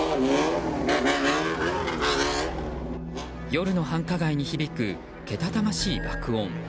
夜の繁華街に響くけたたましい爆音。